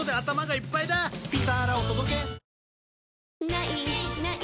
「ない！ない！